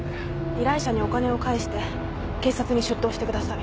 依頼者にお金を返して警察に出頭してください。